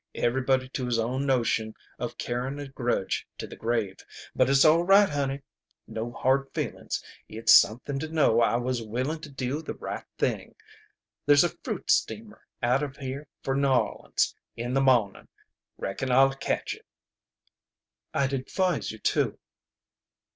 Everybody to his own notion of carryin' a grudge to the grave. But it's all right, honey. No hard feelin's. It's something to know I was willin' to do the right thing. There's a fruit steamer out of here for N'Orleans in the mawnin'. Reckon I'll catch it." "I'd advise you to."